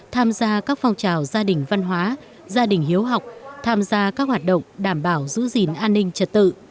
tham gia các phong trào gia đình văn hóa gia đình hiếu học tham gia các hoạt động đảm bảo giữ gìn an ninh trật tự